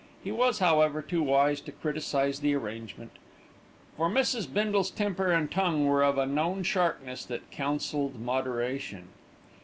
He was, however, too wise to criticise the arrangement; for Mrs. Bindle's temper and tongue were of a known sharpness that counselled moderation.